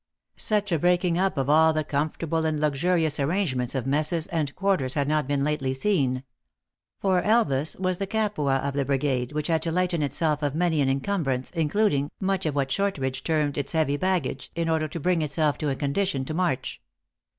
Such a breaking up of all the comfortable and luxurious ar rangements of messes and quarters had not been lately seen. For Elvas was the Capua of the brigade, which had to lighten itself of many an incumbrance, including much of what Shortridge termed its heavy baggage, in order to bring itself to a condition to march.